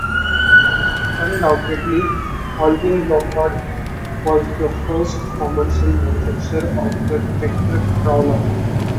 Undoubtedly, Alvin Lombard was the first commercial manufacturer of the tractor crawler.